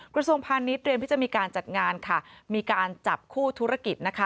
กระทรวงพาณิชยเตรียมที่จะมีการจัดงานค่ะมีการจับคู่ธุรกิจนะคะ